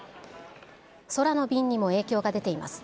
空の便にも影響が出ています。